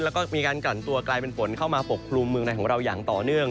แล้วก็มีการกลั่นตัวกลายเป็นฝนเข้ามาปกครุมเมืองในของเราอย่างต่อเนื่อง